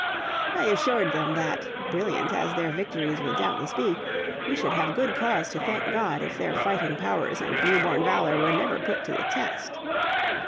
I assured them that, brilliant as their victories would doubtless be, we should have good cause to thank God if their fighting powers and new born valor were never put to the test.